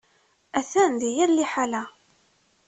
Atan di yir liḥala.